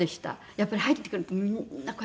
やっぱり入ってくるとみんなこうやって。